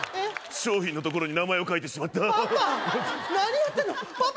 商品のところに名前を書いてしまったパパ！